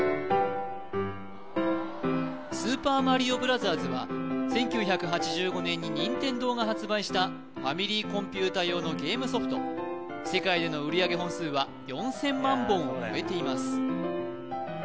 スーパーマリオブラザーズは１９８５年に任天堂が発売したファミリーコンピューター用のゲームソフト世界での売り上げ本数は４０００万本を超えています